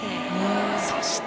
そして。